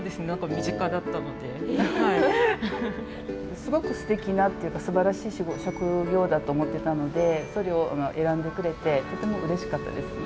すごくすてきなっていうかすばらしい職業だと思ってたのでそれを選んでくれてとてもうれしかったですね。